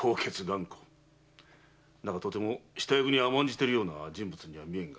だがとても下役に甘んじているような人物には見えぬ。